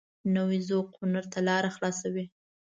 نوی ذوق هنر ته لاره خلاصوي